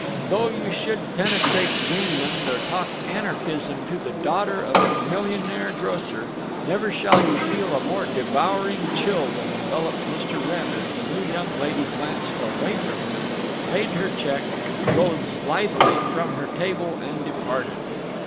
Though you should penetrate Greenland or talk anarchism to the daughter of a millionaire grocer, never shall you feel a more devouring chill than enveloped Mr. Wrenn as the new young lady glanced away from him, paid her check, rose slithily from her table, and departed.